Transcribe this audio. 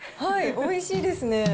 おいしいですね。